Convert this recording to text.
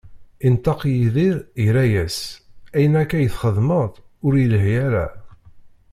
Inṭeq Yidir, irra-as: Ayen akka i txeddmeḍ, ur ilhi ara.